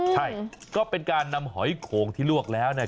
ใช่ก็เป็นการนำหอยโขงที่ลวกแล้ว